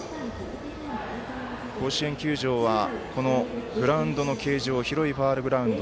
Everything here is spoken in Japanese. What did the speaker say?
甲子園球場はグラウンドの形状広いファウルグラウンド